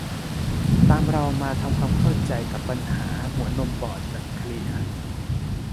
ตามเรามาทำความเข้าใจกับปัญหาหัวนมบอดแบบเคลียร์